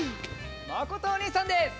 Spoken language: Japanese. まことおにいさんです。